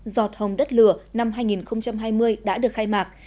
giọt hồng đất lửa năm hai nghìn hai mươi đã được khai mạc